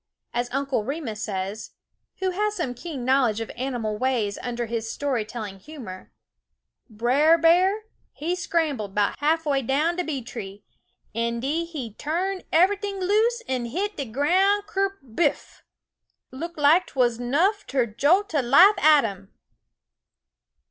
As Uncle Remus says who has some keen knowledge of animal ways under his story telling humor " Brer B'ar, he scramble 'bout half way down de bee tree, en den he turn eve'ything loose en hit de groun' kerbiff '! Look like 't wuz nuff ter jolt de life out'n 'im."